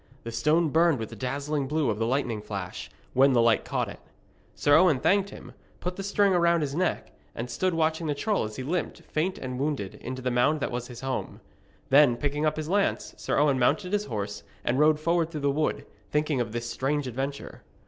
The stone burned with the dazzling blue of the lightning flash, when the light caught it. Sir Owen thanked him, put the string about his neck, and stood watching the troll as he limped, faint and wounded, into the mound that was his home. Then, picking up his lance, Sir Owen mounted his horse, and rode forward through the wood, thinking of this strange adventure.